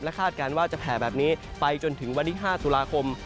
คาดการณ์ว่าจะแผ่แบบนี้ไปจนถึงวันที่๕ตุลาคม